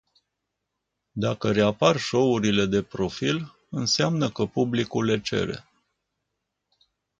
Dacă reapar show-urile de profil, înseamnă că publicul le cere.